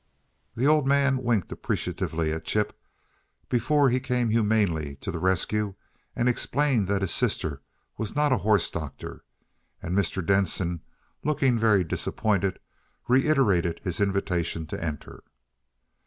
The Old Man winked appreciatively at Chip before he came humanely to the rescue and explained that his sister was not a horse doctor, and Mr. Denson, looking very disappointed, reiterated his invitation to enter.